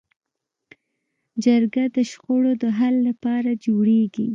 جرګه د شخړو د حل لپاره جوړېږي